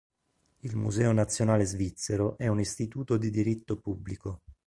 Il Museo nazionale svizzero è un istituto di diritto pubblico.